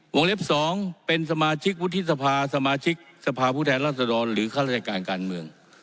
เล็บ๒เป็นสมาชิกวุฒิสภาสมาชิกสภาพผู้แทนรัศดรหรือข้าราชการการเมือง